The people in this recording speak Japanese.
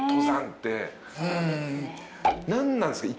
何なんすか？